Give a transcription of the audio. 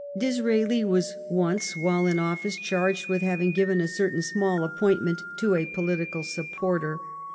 Disraeli was once, while in office, charged with having given a certain small appointment to a political supporter.